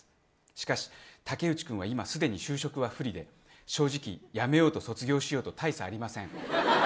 しかし、武内君は今すでに就職は不利で正直、やめようと卒業しようと大差ありません。